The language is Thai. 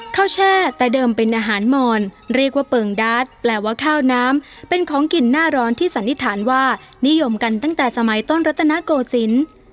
แช่แต่เดิมเป็นอาหารมอนเรียกว่าเปิงดาร์ดแปลว่าข้าวน้ำเป็นของกินหน้าร้อนที่สันนิษฐานว่านิยมกันตั้งแต่สมัยต้นรัตนโกศิลป์